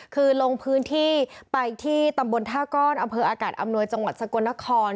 คือลงพื้นที่ไปที่ตำบลท่าก้อนอำเภออากาศอำนวยจังหวัดสกลนคร